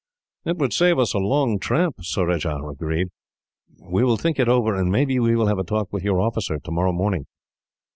"It would save us a long tramp," Surajah agreed. "We will think it over, and maybe we will have a talk with your officer, tomorrow morning."